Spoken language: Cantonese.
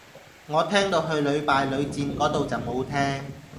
我聽到去屢敗屢戰個到就冇聽